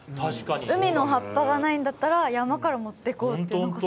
海の葉っぱがないんだったら、山から持っていこうって。